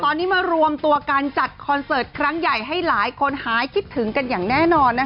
ตอนนี้มารวมตัวการจัดคอนเสิร์ตครั้งใหญ่ให้หลายคนหายคิดถึงกันอย่างแน่นอน